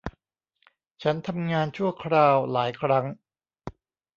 ฉันทำงานชั่วคราวหลายครั้ง